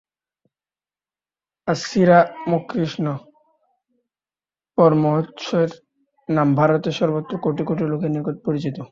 আজ শ্রীরামকৃষ্ণ পরমহংসের নাম ভারতের সর্বত্র কোটি কোটি লোকের নিকট পরিচিত।